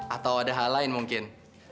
atau ada hal lain mungkin